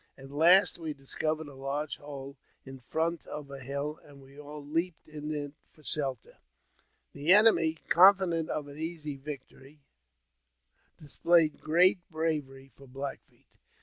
At last we discovered a large hole in front of a hill, and we all leaped into it for shelter. The enemy, confident of an easy victory, dis played great bravery for Black Feet.